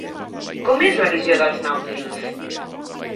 Com és la visió dels nàutils?